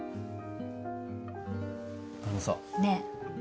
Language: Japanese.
あのさねえ